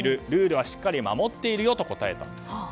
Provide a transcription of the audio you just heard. ルールはしっかり守っているよと答えたんです。